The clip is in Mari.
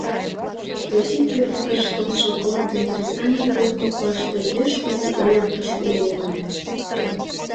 Россий кӧргӧ гыч толшо полк ден кресаньык полк коклаште пеш кугу ойыртыш уло ыле.